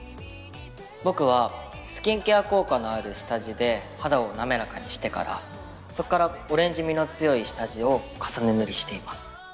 僕はスキンケア効果のある下地で肌を滑らかにしてからそっからオレンジみの強い下地を重ね塗りしています。